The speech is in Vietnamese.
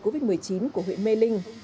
covid một mươi chín của huyện mê linh